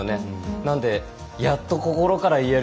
なので、やっと心から言える。